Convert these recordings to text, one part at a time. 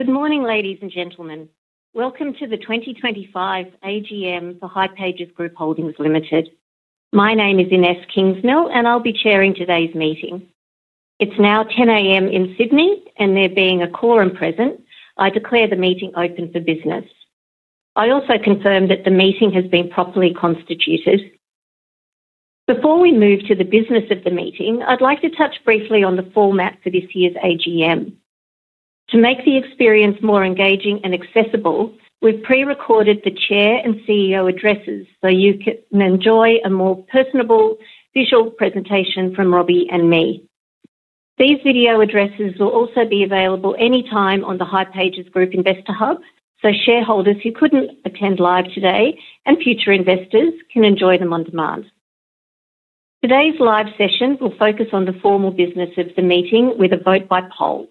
Good morning, ladies and gentlemen. Welcome to the 2025 AGM for Hipages Group Holdings Limited. My name is Inese Kingsmill, and I'll be chairing today's meeting. It's now 10:00 A.M. in Sydney, and there being a quorum present, I declare the meeting open for business. I also confirm that the meeting has been properly constituted. Before we move to the business of the meeting, I'd like to touch briefly on the format for this year's AGM. To make the experience more engaging and accessible, we've pre-recorded the chair and CEO addresses so you can enjoy a more personable visual presentation from Roby and me. These video addresses will also be available anytime on the Hipages Group Investor Hub, so shareholders who couldn't attend live today and future investors can enjoy them on demand. Today's live session will focus on the formal business of the meeting with a vote by poll.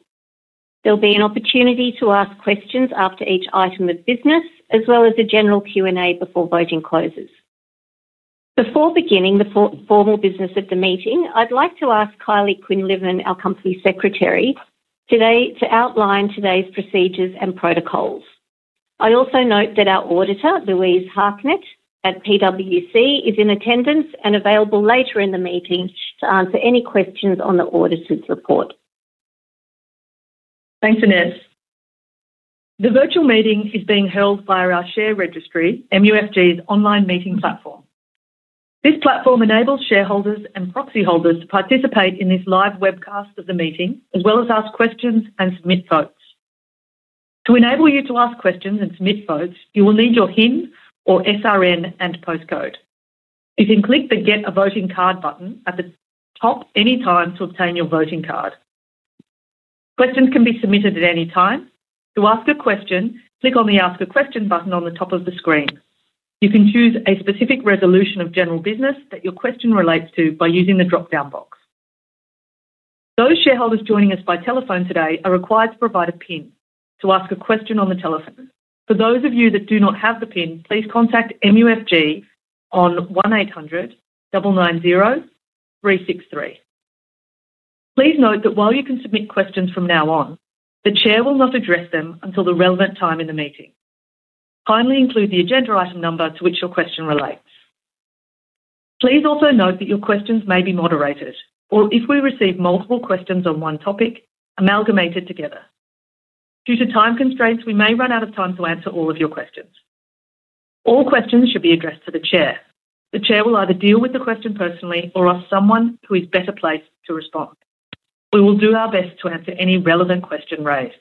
There'll be an opportunity to ask questions after each item of business, as well as a general Q&A before voting closes. Before beginning the formal business of the meeting, I'd like to ask Kylie Quinlivan, our Company Secretary, today to outline today's procedures and protocols. I also note that our auditor, Louise Harknett at PwC, is in attendance and available later in the meeting to answer any questions on the auditor's report. Thanks, Inese. The virtual meeting is being held via our share registry, MUFG's online meeting platform. This platform enables shareholders and proxy holders to participate in this live webcast of the meeting, as well as ask questions and submit votes. To enable you to ask questions and submit votes, you will need your HIN or SRN and postcode. You can click the Get a Voting Card button at the top anytime to obtain your voting card. Questions can be submitted at any time. To ask a question, click on the Ask a Question button on the top of the screen. You can choose a specific resolution or general business that your question relates to by using the drop-down box. Those shareholders joining us by telephone today are required to provide a PIN to ask a question on the telephone. For those of you that do not have the PIN, please contact MUFG on 1-800-990-363. Please note that while you can submit questions from now on, the chair will not address them until the relevant time in the meeting. Kindly include the agenda item number to which your question relates. Please also note that your questions may be moderated, or if we receive multiple questions on one topic, amalgamate it together. Due to time constraints, we may run out of time to answer all of your questions. All questions should be addressed to the chair. The chair will either deal with the question personally or ask someone who is better placed to respond. We will do our best to answer any relevant question raised.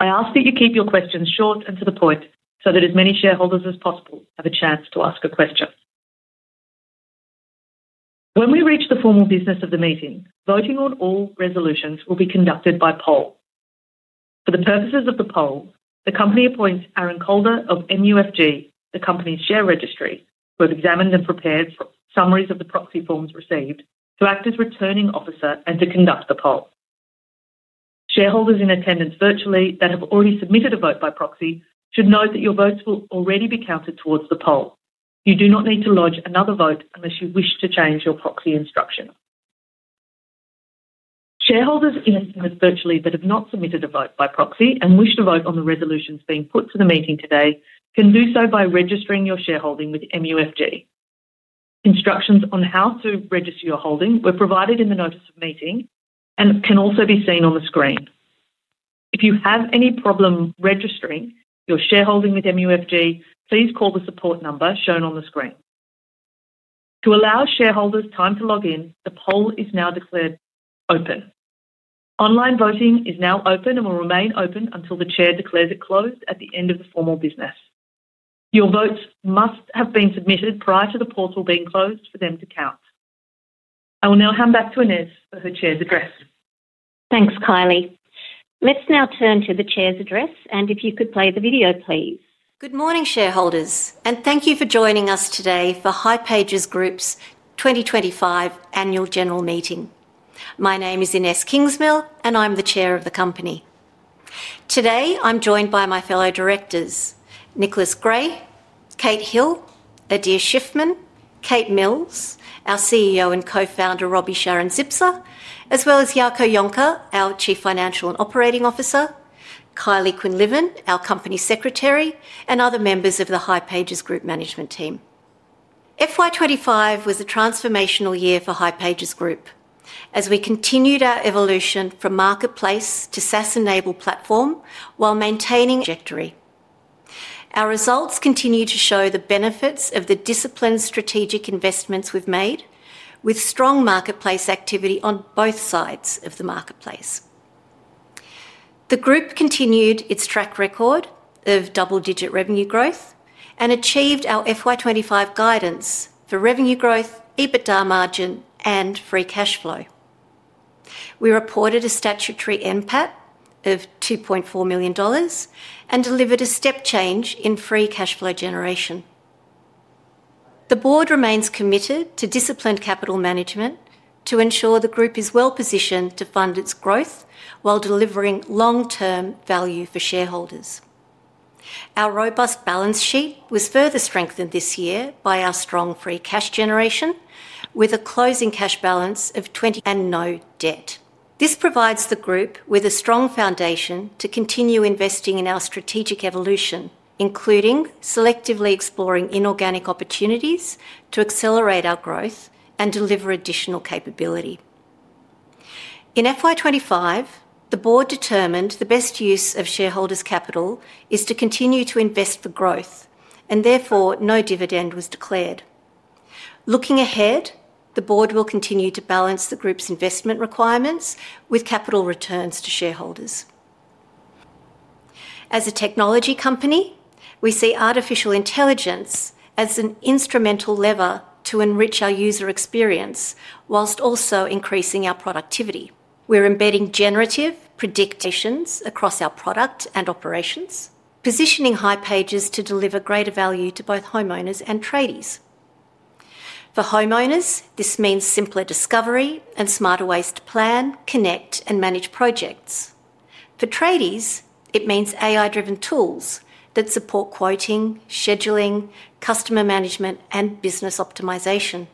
I ask that you keep your questions short and to the point so that as many shareholders as possible have a chance to ask a question. When we reach the formal business of the meeting, voting on all resolutions will be conducted by poll. For the purposes of the poll, the company appoints Aaron Calder of MUFG, the company's share registry, who have examined and prepared summaries of the proxy forms received to act as returning officer and to conduct the poll. Shareholders in attendance virtually that have already submitted a vote by proxy should note that your votes will already be counted towards the poll. You do not need to lodge another vote unless you wish to change your proxy instruction. Shareholders in attendance virtually that have not submitted a vote by proxy and wish to vote on the resolutions being put to the meeting today can do so by registering your shareholding with MUFG. Instructions on how to register your holding were provided in the notice of meeting and can also be seen on the screen. If you have any problem registering your shareholding with MUFG, please call the support number shown on the screen. To allow shareholders time to log in, the poll is now declared open. Online voting is now open and will remain open until the Chair declares it closed at the end of the formal business. Your votes must have been submitted prior to the portal being closed for them to count. I will now hand back to Inese for her Chair's address. Thanks, Kylie. Let's now turn to the chair's address, and if you could play the video, please. Good morning, shareholders, and thank you for joining us today for Hipages Group's 2025 annual general meeting. My name is Inese Kingsmill, and I'm the Chair of the company. Today, I'm joined by my fellow directors, Nicholas Gray, Kate Hill, Adir Shiffman, Kate Mills, our CEO and co-founder Roby Sharon-Zipser, as well as Jaco Jonker, our Chief Financial and Operating Officer, Kylie Quinlivan, our Company Secretary, and other members of the Hipages Group management team. FY 2025 was a transformational year for Hipages Group as we continued our evolution from marketplace to SaaS-enabled platform while maintaining trajectory. Our results continue to show the benefits of the disciplined strategic investments we've made with strong marketplace activity on both sides of the marketplace. The group continued its track record of double-digit revenue growth and achieved our FY 2025 guidance for revenue growth, EBITDA margin, and free cash flow. We reported a statutory NPAT of $2.4 million and delivered a step change in free cash flow generation. The board remains committed to disciplined capital management to ensure the group is well-positioned to fund its growth while delivering long-term value for shareholders. Our robust balance sheet was further strengthened this year by our strong free cash generation with a closing cash balance of and no debt. This provides the group with a strong foundation to continue investing in our strategic evolution, including selectively exploring inorganic opportunities to accelerate our growth and deliver additional capability. In FY 2025, the board determined the best use of shareholders' capital is to continue to invest for growth, and therefore no dividend was declared. Looking ahead, the board will continue to balance the group's investment requirements with capital returns to shareholders. As a technology company, we see artificial intelligence as an instrumental lever to enrich our user experience whilst also increasing our productivity. We're embedding generative predictions across our product and operations, positioning Hipages to deliver greater value to both homeowners and tradies. For homeowners, this means simpler discovery and smarter ways to plan, connect, and manage projects. For tradies, it means AI-driven tools that support quoting, scheduling, customer management, and business optimization.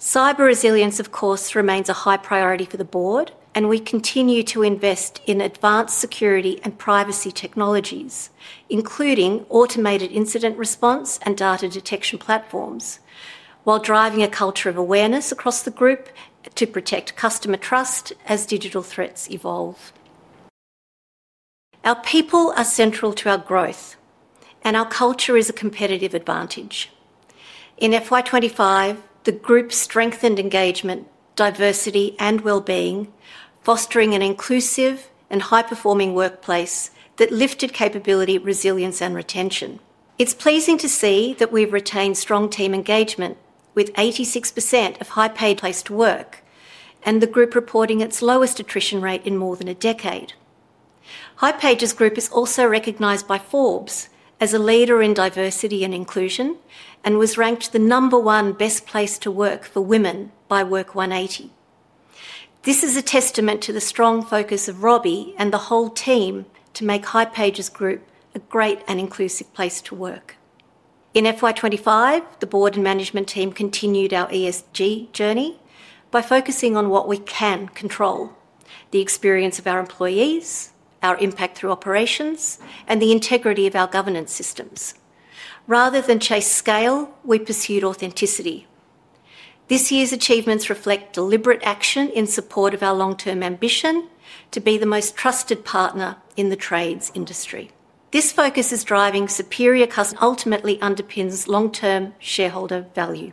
Cyber resilience, of course, remains a high priority for the board, and we continue to invest in advanced security and privacy technologies, including automated incident response and data detection platforms, while driving a culture of awareness across the group to protect customer trust as digital threats evolve. Our people are central to our growth, and our culture is a competitive advantage. In FY 2025, the group strengthened engagement, diversity, and well-being, fostering an inclusive and high-performing workplace that lifted capability, resilience, and retention. It is pleasing to see that we have retained strong team engagement with 86% of Hipages' work, and the group reporting its lowest attrition rate in more than a decade. Hipages Group is also recognized by Forbes as a leader in diversity and inclusion and was ranked the number one best place to work for women by Work 180. This is a testament to the strong focus of Roby and the whole team to make Hipages Group a great and inclusive place to work. In FY 2025, the board and management team continued our ESG journey by focusing on what we can control: the experience of our employees, our impact through operations, and the integrity of our governance systems. Rather than chase scale, we pursued authenticity. This year's achievements reflect deliberate action in support of our long-term ambition to be the most trusted partner in the trades industry. This focus is driving superior customer service. Ultimately, it underpins long-term shareholder value.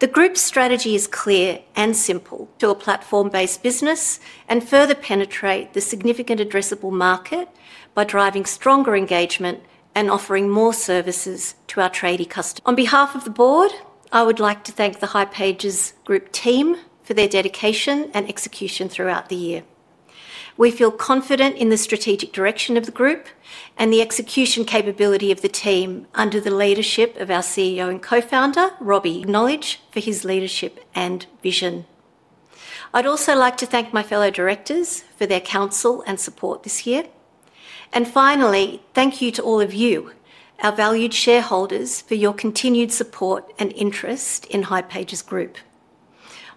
The group's strategy is clear and simple: a platform-based business and further penetrate the significant addressable market by driving stronger engagement and offering more services to our tradie customers. On behalf of the board, I would like to thank the Hipages Group team for their dedication and execution throughout the year. We feel confident in the strategic direction of the group and the execution capability of the team under the leadership of our CEO and Co-founder, Roby Sharon-Zipser, for his leadership and vision. I'd also like to thank my fellow directors for their counsel and support this year. Finally, thank you to all of you, our valued shareholders, for your continued support and interest in Hipages Group.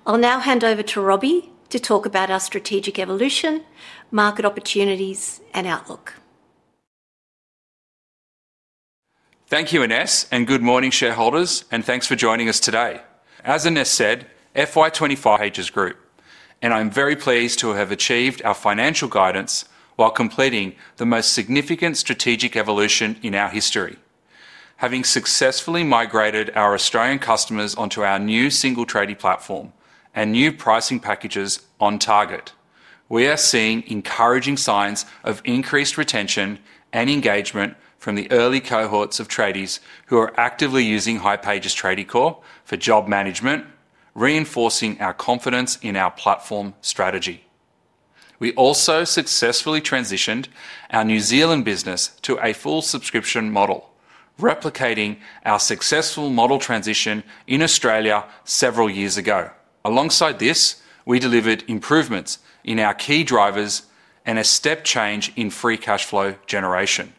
I'll now hand over to Roby to talk about our strategic evolution, market opportunities, and outlook. Thank you, Inese, and good morning, shareholders, and thanks for joining us today. As Inese said, FY 2025. Hipages Group, and I'm very pleased to have achieved our financial guidance while completing the most significant strategic evolution in our history, having successfully migrated our Australian customers onto our new single trading platform and new pricing packages on target. We are seeing encouraging signs of increased retention and engagement from the early cohorts of tradies who are actively using Hipages Trading Core for job management, reinforcing our confidence in our platform strategy. We also successfully transitioned our New Zealand business to a full subscription model, replicating our successful model transition in Australia several years ago. Alongside this, we delivered improvements in our key drivers and a step change in free cash flow generation.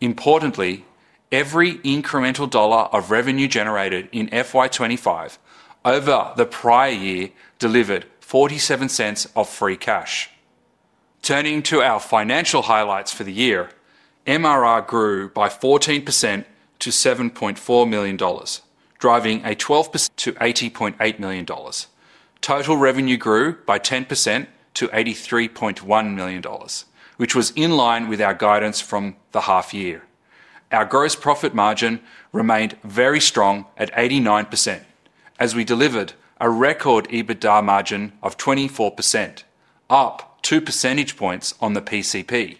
Importantly, every incremental dollar of revenue generated in FY 2025 over the prior year delivered $0.47 of free cash. Turning to our financial highlights for the year, MRR grew by 14% to $7.4 million, driving a 12% growth to $80.8 million. Total revenue grew by 10% to $83.1 million, which was in line with our guidance from the half-year. Our gross profit margin remained very strong at 89% as we delivered a record EBITDA margin of 24%, up two percentage points on the PCP.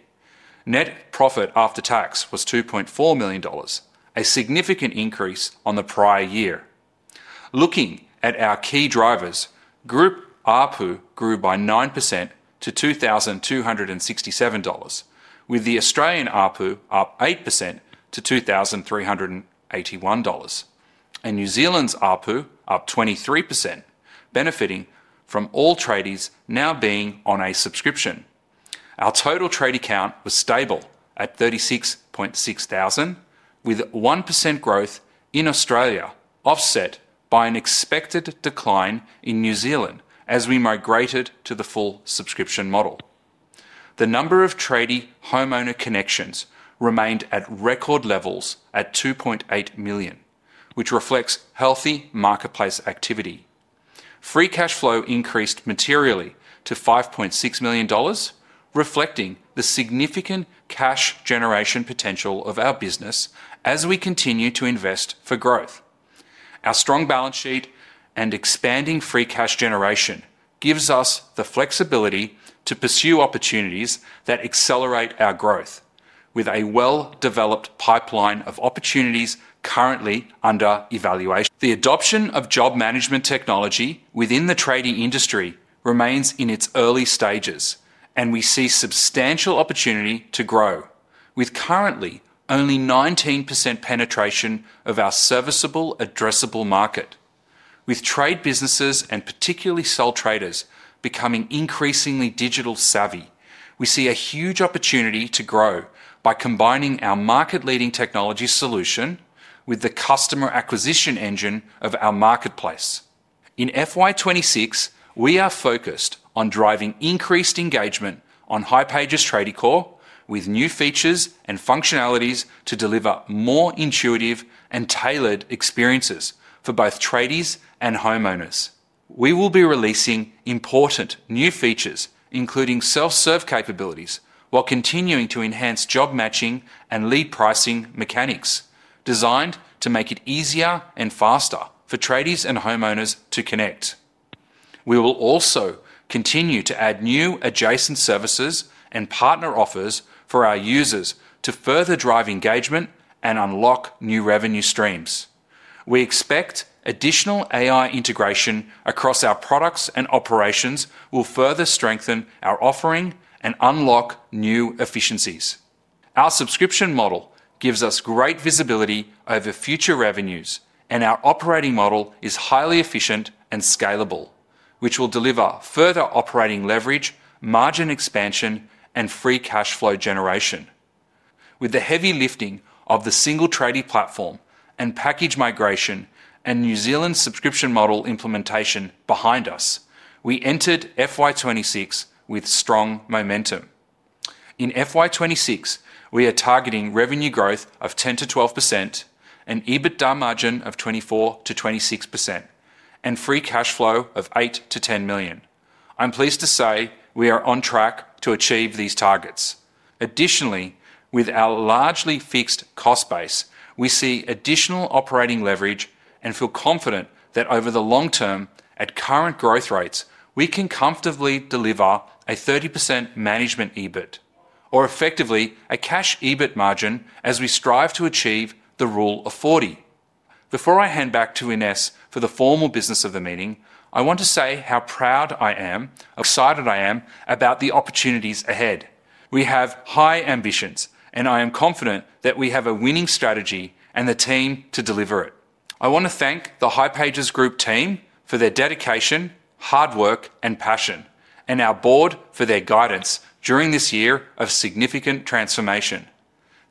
Net profit after tax was $2.4 million, a significant increase from the prior year. Looking at our key drivers, Group ARPU grew by 9% to $2,267, with the Australian ARPU up 8% to $2,381, and New Zealand's ARPU up 23%, benefiting from all traders now being on a subscription. Our total trading count was stable at 36,600, with 1% growth in Australia offset by an expected decline in New Zealand as we migrated to the full subscription model. The number of trading homeowner connections remained at record levels at 2.8 million, which reflects healthy marketplace activity. Free cash flow increased materially to 5.6 million dollars, reflecting the significant cash generation potential of our business as we continue to invest for growth. Our strong balance sheet and expanding free cash generation gives us the flexibility to pursue opportunities that accelerate our growth, with a well-developed pipeline of opportunities currently under evaluation. The adoption of job management technology within the trading industry remains in its early stages, and we see substantial opportunity to grow, with currently only 19% penetration of our serviceable addressable market. With trade businesses and particularly sole traders becoming increasingly digital-savvy, we see a huge opportunity to grow by combining our market-leading technology solution with the customer acquisition engine of our marketplace. In FY 2026, we are focused on driving increased engagement on Hipages Trading Core with new features and functionalities to deliver more intuitive and tailored experiences for both tradies and homeowners. We will be releasing important new features, including self-serve capabilities, while continuing to enhance job matching and lead pricing mechanics designed to make it easier and faster for tradies and homeowners to connect. We will also continue to add new adjacent services and partner offers for our users to further drive engagement and unlock new revenue streams. We expect additional AI integration across our products and operations will further strengthen our offering and unlock new efficiencies. Our subscription model gives us great visibility over future revenues, and our operating model is highly efficient and scalable, which will deliver further operating leverage, margin expansion, and free cash flow generation. With the heavy lifting of the single trading platform and package migration and New Zealand subscription model implementation behind us, we entered FY 2026 with strong momentum. In FY 2026, we are targeting revenue growth of 10%-12%, an EBITDA margin of 24%-26%, and free cash flow of $8 million-$10 million. I'm pleased to say we are on track to achieve these targets. Additionally, with our largely fixed cost base, we see additional operating leverage and feel confident that over the long term, at current growth rates, we can comfortably deliver a 30% management EBIT or effectively a cash EBIT margin as we strive to achieve the rule of 40. Before I hand back to Inese for the formal business of the meeting, I want to say how proud I am of how excited I am about the opportunities ahead. We have high ambitions, and I am confident that we have a winning strategy and the team to deliver it. I want to thank the Hipages Group team for their dedication, hard work, and passion, and our board for their guidance during this year of significant transformation.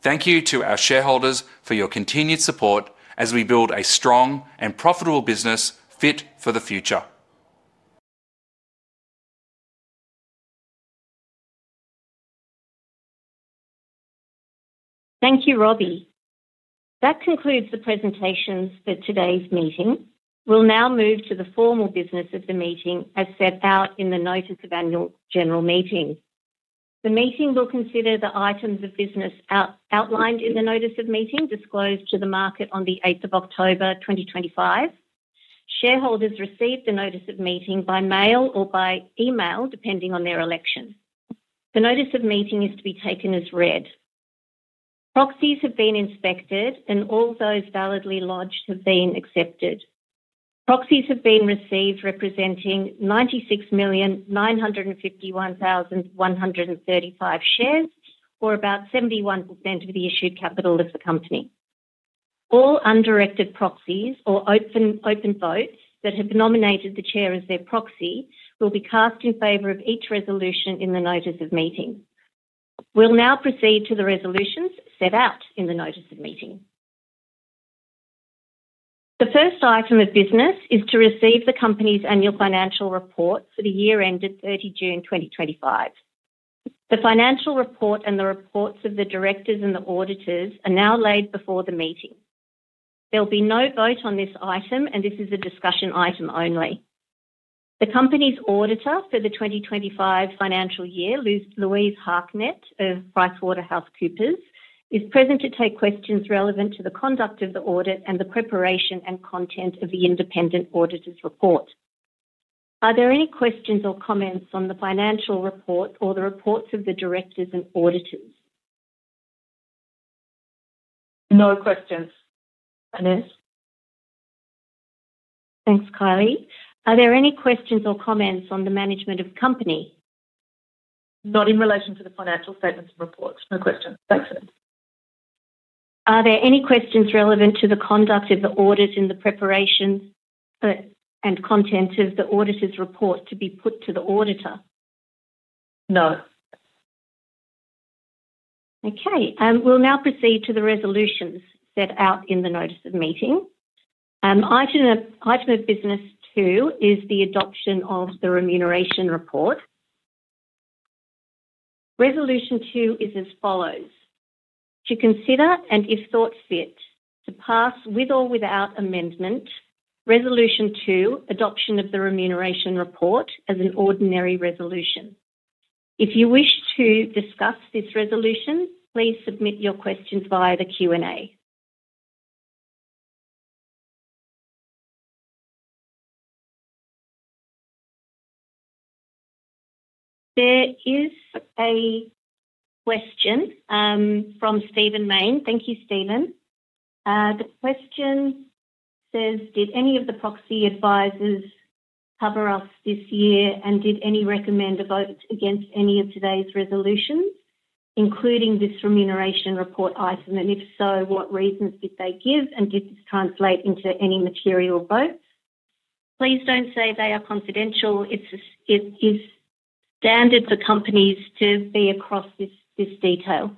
Thank you to our shareholders for your continued support as we build a strong and profitable business fit for the future. Thank you, Roby. That concludes the presentations for today's meeting. We will now move to the formal business of the meeting as set out in the Notice of Annual General Meeting. The meeting will consider the items of business outlined in the Notice of Meeting disclosed to the market on the 8th of October, 2025. Shareholders received the Notice of Meeting by mail or by email, depending on their election. The Notice of Meeting is to be taken as read. Proxies have been inspected, and all those validly lodged have been accepted. Proxies have been received representing 96,951,135 shares, or about 71% of the issued capital of the company. All undirected proxies or open vote that have nominated the chair as their proxy will be cast in favor of each resolution in the Notice of Meeting. We will now proceed to the resolutions set out in the Notice of Meeting. The first item of business is to receive the company's annual financial report for the year ended 30 June 2025. The financial report and the reports of the directors and the auditors are now laid before the meeting. There'll be no vote on this item, and this is a discussion item only. The company's auditor for the 2025 financial year, Louise Harknett of PricewaterhouseCoopers, is present to take questions relevant to the conduct of the audit and the preparation and content of the independent auditor's report. Are there any questions or comments on the financial report or the reports of the directors and auditors? No questions. Thanks, Kylie. Are there any questions or comments on the management of the company? Not in relation to the financial statements and reports. No questions. Thanks, Inese. Are there any questions relevant to the conduct of the audit and the preparation and content of the auditor's report to be put to the auditor? No. Okay. We'll now proceed to the resolutions set out in the Notice of Meeting. Item of business two is the adoption of the remuneration report. Resolution two is as follows. To consider and, if thought fit, to pass with or without amendment, Resolution two, adoption of the remuneration report as an ordinary resolution. If you wish to discuss this resolution, please submit your questions via the Q&A. There is a question from Stephen Maine. Thank you, Stephen. The question says, "Did any of the proxy advisors cover us this year, and did any recommend a vote against any of today's resolutions, including this remuneration report item? If so, what reasons did they give, and did this translate into any material votes?" Please don't say they are confidential. It's standard for companies to be across this detail.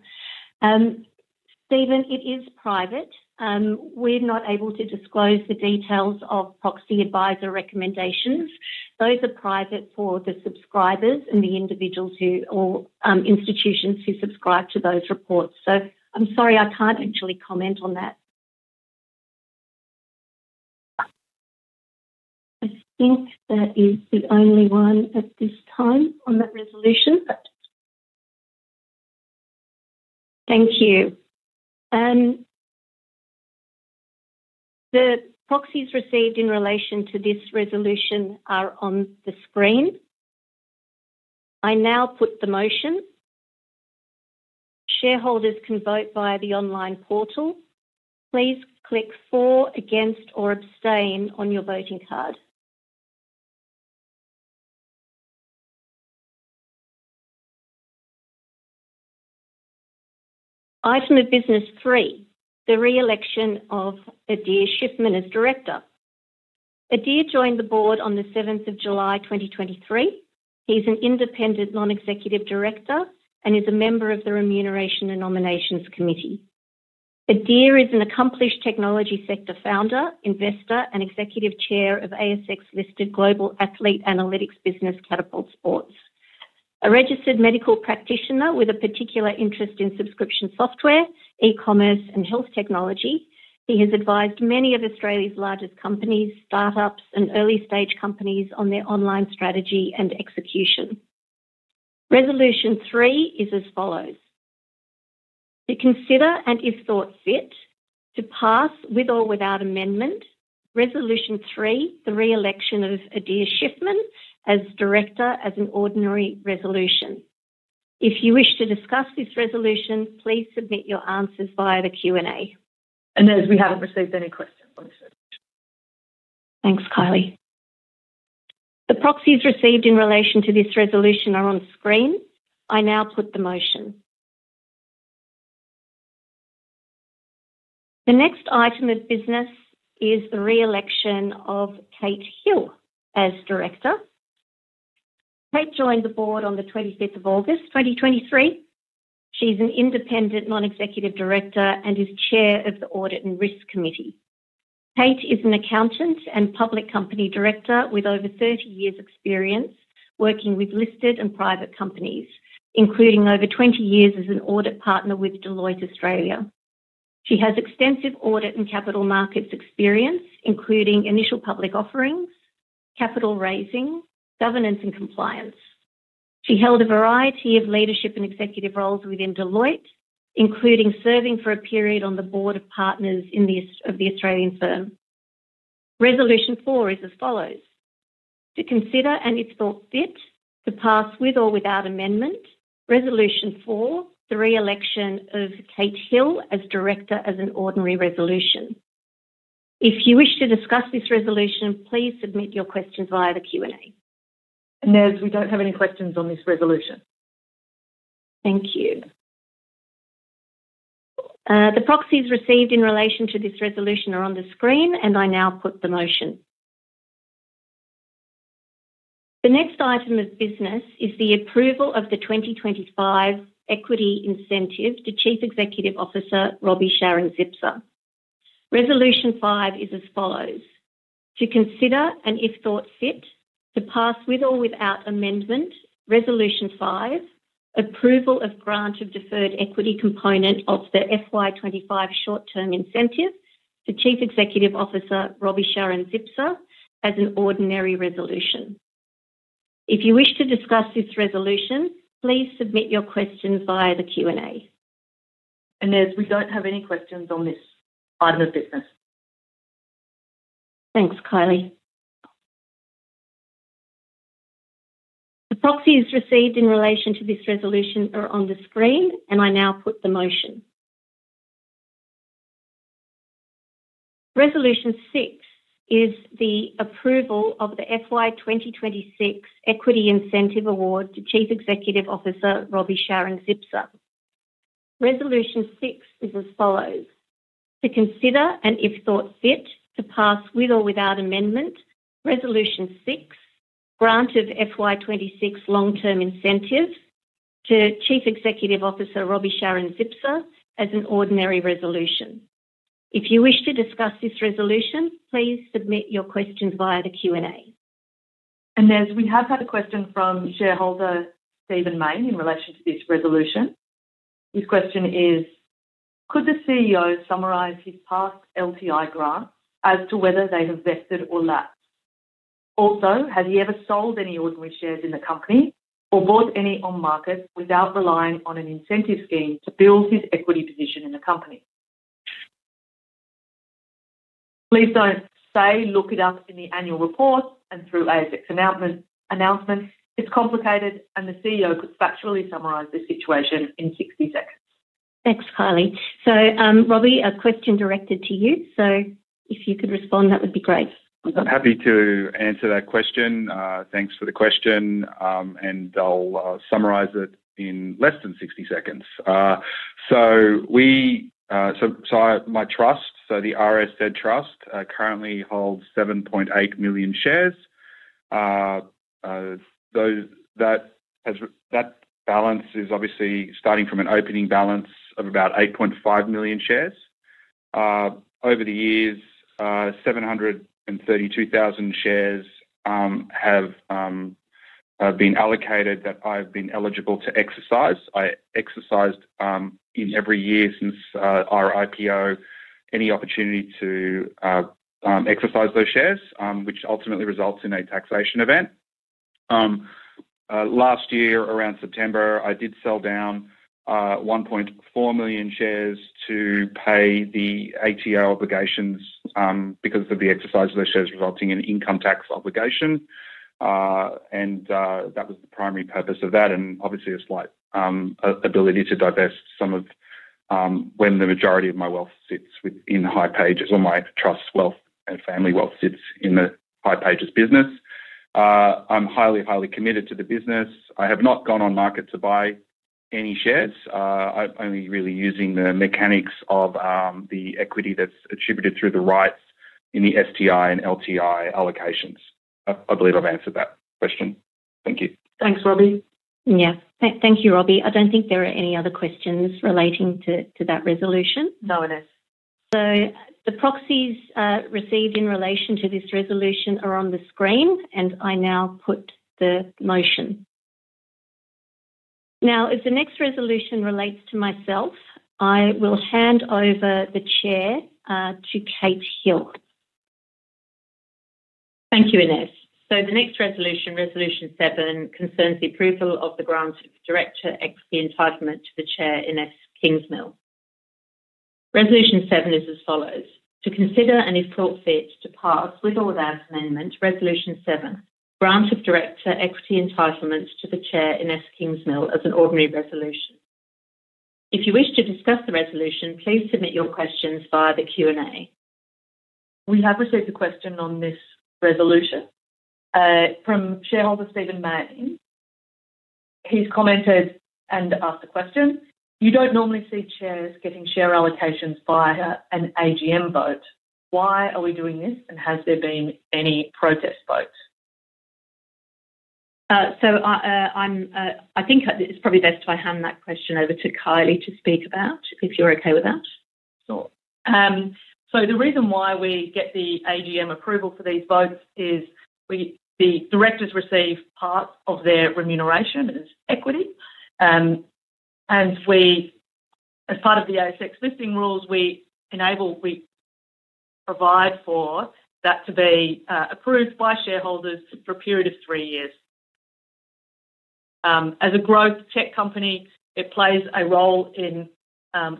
Stephen, it is private. We're not able to disclose the details of proxy advisor recommendations. Those are private for the subscribers and the individuals who or institutions who subscribe to those reports. So I'm sorry, I can't actually comment on that. I think that is the only one at this time on that resolution. Thank you. The proxies received in relation to this resolution are on the screen. I now put the motion. Shareholders can vote via the online portal. Please click for, against, or abstain on your voting card. Item of business three, the re-election of Adir Shiffman as director. Adir joined the board on the 7th of July, 2023. He's an independent non-executive director and is a member of the Remuneration and Nominations Committee. Adir is an accomplished technology sector founder, investor, and executive chair of ASX-listed global athlete analytics business, Catapult Sports. A registered medical practitioner with a particular interest in subscription software, e-commerce, and health technology, he has advised many of Australia's largest companies, startups, and early-stage companies on their online strategy and execution. Resolution three is as follows. To consider and, if thought fit, to pass with or without amendment, Resolution three, the re-election of Adir Shiffman as director, as an ordinary resolution. If you wish to discuss this resolution, please submit your answers via the Q&A. As we haven't received any questions, I'm sure. Thanks, Kylie. The proxies received in relation to this resolution are on the screen. I now put the motion. The next item of business is the re-election of Kate Hill as director. Kate joined the board on the 25th of August, 2023. She's an independent non-executive director and is chair of the Audit and Risk Committee. Kate is an accountant and public company director with over 30 years' experience working with listed and private companies, including over 20 years as an audit partner with Deloitte Australia. She has extensive audit and capital markets experience, including initial public offerings, capital raising, governance, and compliance. She held a variety of leadership and executive roles within Deloitte, including serving for a period on the board of partners of the Australian firm. Resolution four is as follows. To consider and, if thought fit, to pass with or without amendment, Resolution four, the re-election of Kate Hill as director, as an ordinary resolution. If you wish to discuss this resolution, please submit your questions via the Q&A. As we don't have any questions on this resolution. Thank you. The proxies received in relation to this resolution are on the screen, and I now put the motion. The next item of business is the approval of the 2025 equity incentive to Chief Executive Officer Roby Sharon-Zipser. Resolution five is as follows. To consider and, if thought fit, to pass with or without amendment, Resolution five, approval of grant of deferred equity component of the FY 2025 short-term incentive to Chief Executive Officer Roby Sharon-Zipser, as an ordinary resolution. If you wish to discuss this resolution, please submit your questions via the Q&A. As we don't have any questions on this item of business. Thanks, Kylie. The proxies received in relation to this resolution are on the screen, and I now put the motion. Resolution six is the approval of the FY 2026 equity incentive award to Chief Executive Officer Roby Sharon-Zipser. Resolution six is as follows. To consider and, if thought fit, to pass with or without amendment, Resolution six, grant of FY 2026 long-term incentive to Chief Executive Officer Roby Sharon-Zipser, as an ordinary resolution. If you wish to discuss this resolution, please submit your questions via the Q&A. As we have had a question from shareholder Stephen Maine in relation to this resolution, his question is, "Could the CEO summarize his past LTI grants as to whether they have vested or lapsed? Also, has he ever sold any ordinary shares in the company or bought any on market without relying on an incentive scheme to build his equity position in the company? Please don't say look it up in the annual report and through ASX announcements. It's complicated, and the CEO could factually summarize the situation in 60 seconds. Thanks, Kylie. Roby, a question directed to you. If you could respond, that would be great. I'm happy to answer that question. Thanks for the question, and I'll summarize it in less than 60 seconds. My trust, so the RSZ Trust, currently holds 7.8 million shares. That balance is obviously starting from an opening balance of about 8.5 million shares. Over the years, 732,000 shares have been allocated that I've been eligible to exercise. I exercised in every year since our IPO any opportunity to exercise those shares, which ultimately results in a taxation event. Last year, around September, I did sell down 1.4 million shares to pay the ATO obligations because of the exercise of those shares, resulting in income tax obligation. That was the primary purpose of that and obviously a slight ability to divest some of when the majority of my wealth sits within Hipages, or my trust's wealth and family wealth sits in the Hipages business. I'm highly, highly committed to the business. I have not gone on market to buy any shares. I'm only really using the mechanics of the equity that's attributed through the rights in the STI and LTI allocations. I believe I've answered that question. Thank you. Thanks, Roby. Yeah. Thank you, Roby. I don't think there are any other questions relating to that resolution. No, Ines. The proxies received in relation to this resolution are on the screen, and I now put the motion. Now, if the next resolution relates to myself, I will hand over the chair to Kate Hill. Thank you, Inese. The next resolution, Resolution seven, concerns the approval of the grant of director equity entitlement to the chair, Inese Kingsmill. Resolution seven is as follows. To consider and, if thought fit, to pass with or without amendment, Resolution seven, grant of director equity entitlement to the chair, Inese Kingsmill, as an ordinary resolution. If you wish to discuss the resolution, please submit your questions via the Q&A. We have received a question on this resolution from shareholder Stephen Maine. He's commented and asked a question. "You don't normally see chairs getting share allocations via an AGM vote. Why are we doing this, and has there been any protest votes? I think it's probably best if I hand that question over to Kylie to speak about, if you're okay with that. Sure. The reason why we get the AGM approval for these votes is the directors receive part of their remuneration as equity. As part of the ASX listing rules, we provide for that to be approved by shareholders for a period of three years. As a growth tech company, it plays a role in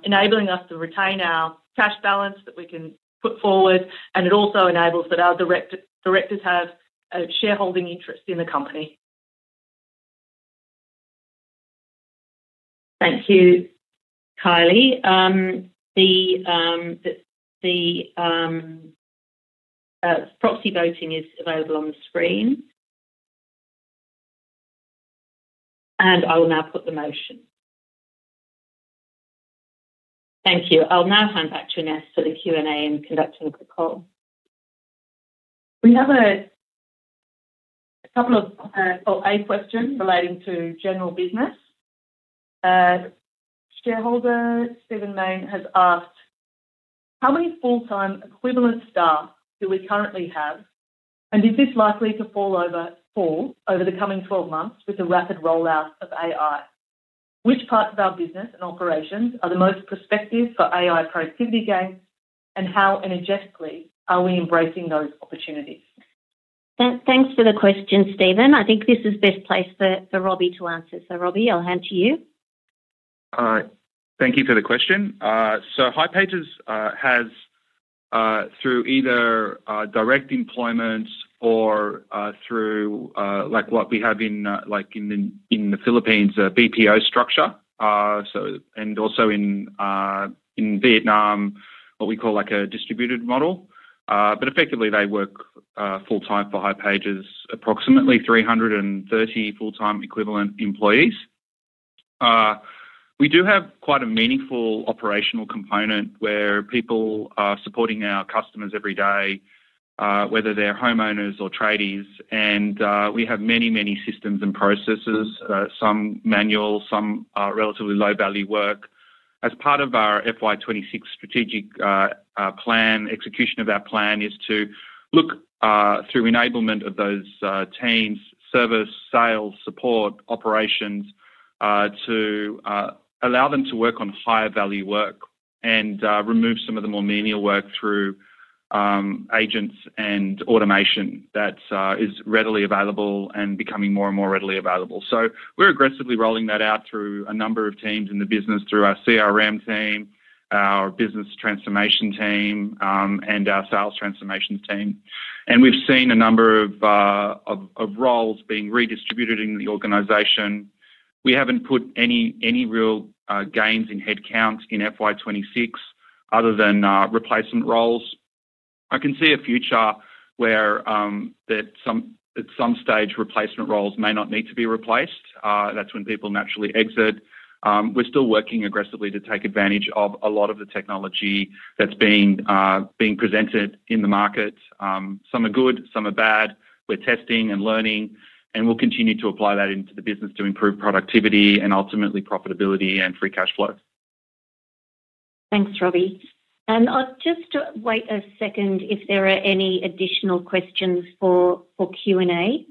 enabling us to retain our cash balance that we can put forward, and it also enables that our directors have shareholding interests in the company. Thank you, Kylie. The proxy voting is available on the screen. I will now put the motion. Thank you. I'll now hand back to Inese for the Q&A and conducting a quick call. We have a couple of, or a question relating to general business. Shareholder Stephen Maine has asked, "How many full-time equivalent staff do we currently have, and is this likely to fall over the coming 12 months with the rapid rollout of AI? Which parts of our business and operations are the most prospective for AI productivity gains, and how energetically are we embracing those opportunities? Thanks for the question, Stephen. I think this is the best place for Roby to answer. Roby, I'll hand to you. Thank you for the question. Hipages has, through either direct employment or through what we have in the Philippines, a BPO structure, and also in Vietnam, what we call a distributed model. Effectively, they work full-time for Hipages, approximately 330 full-time equivalent employees. We do have quite a meaningful operational component where people are supporting our customers every day, whether they're homeowners or tradies. We have many, many systems and processes, some manual, some relatively low-value work. As part of our FY 2026 strategic plan, execution of our plan is to look through enablement of those teams, service, sales, support, operations, to allow them to work on higher-value work and remove some of the more menial work through agents and automation that is readily available and becoming more and more readily available. We're aggressively rolling that out through a number of teams in the business, through our CRM team, our business transformation team, and our sales transformation team. We've seen a number of roles being redistributed in the organization. We haven't put any real gains in headcount in FY 2026 other than replacement roles. I can see a future where, at some stage, replacement roles may not need to be replaced. That's when people naturally exit. We're still working aggressively to take advantage of a lot of the technology that's being presented in the market. Some are good. Some are bad. We're testing and learning, and we'll continue to apply that into the business to improve productivity and ultimately profitability and free cash flow. Thanks, Roby. Just to wait a second if there are any additional questions for Q&A.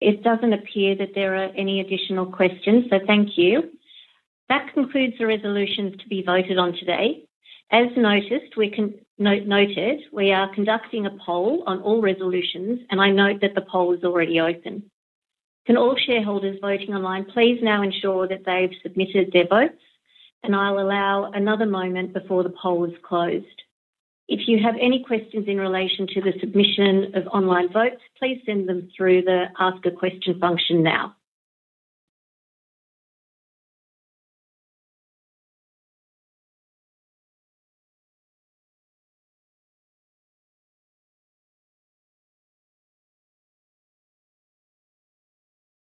It does not appear that there are any additional questions, so thank you. That concludes the resolutions to be voted on today. As noted, we are conducting a poll on all resolutions, and I note that the poll is already open. Can all shareholders voting online please now ensure that they have submitted their votes, and I will allow another moment before the poll is closed. If you have any questions in relation to the submission of online votes, please send them through the ask a question function now.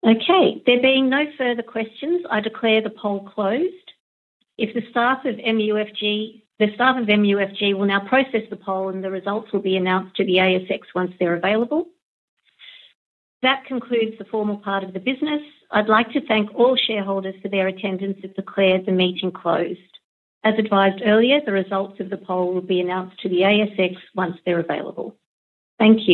Okay. There being no further questions, I declare the poll closed. If the staff of MUFG will now process the poll, the results will be announced to the ASX once they are available. That concludes the formal part of the business. I'd like to thank all shareholders for their attendance and declare the meeting closed. As advised earlier, the results of the poll will be announced to the ASX once they're available. Thank you.